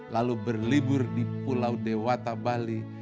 lalu berlibur di pulau dewata bali